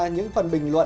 những phần bình luận